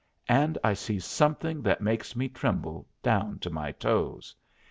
And I sees something that makes me tremble down to my toes.